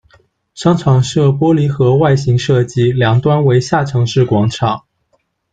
商场设玻璃盒外形设计，两端为下沉式广场。